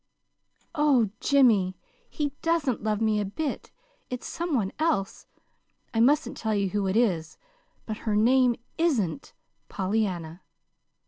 "Oh, Jimmy, he doesn't love me a bit. It's some one else. I mustn't tell you who it is but her name isn't Pollyanna."